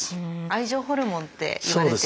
「愛情ホルモン」っていわれていますよね。